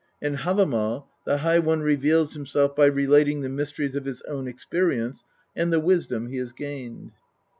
In H&vamal, the High One reveals himself by relating the mysteries of his own experience and the wisdom he has gained.